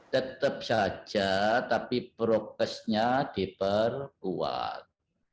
tetap saja tapi prokesnya diperkuat